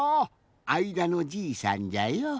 あいだのじいさんじゃよ。